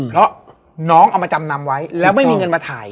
เพราะน้องเอามาจำนำไว้แล้วไม่มีเงินมาถ่าย